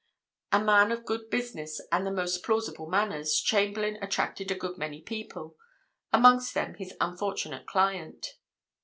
A man of good address and the most plausible manners, Chamberlayne attracted a good many people—amongst them his unfortunate client.